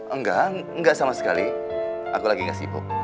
enggak enggak sama sekali aku lagi gak sibuk